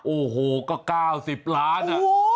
โอ้โหก็๙๐ล้าน